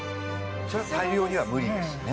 それを大量には無理ですね。